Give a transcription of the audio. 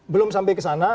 belum sampai kesana